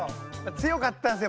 強かったんですよ